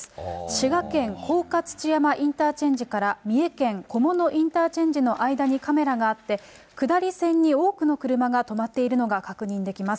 滋賀県甲賀土山インターチェンジから三重県菰野インターチェンジの間にカメラがあって、下り線に多くの車が止まっているのが確認できます。